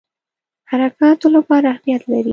حرکاتو لپاره اهمیت لري.